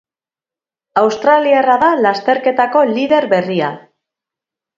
Australiarra da lasterketako lider berria.